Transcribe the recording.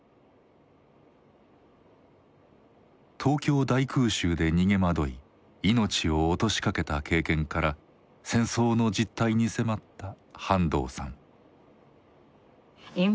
東京大空襲で逃げ惑い命を落としかけた経験から戦争の実態に迫った半藤さん。